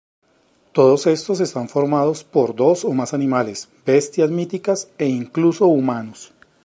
Todos estos están formados por dos o más animales, bestias míticas, e incluso, humanos.